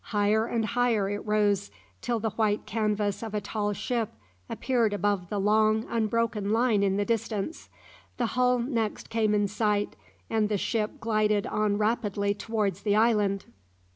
Higher and higher it rose, till the white canvas of a tall ship appeared above the long, unbroken line in the distance. The hull next came in sight, and the ship glided on rapidly towards the island.